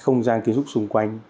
không gian kiến trúc xung quanh